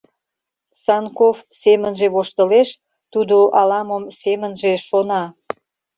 Санков семынже воштылеш, тудо ала-мом семынже шона.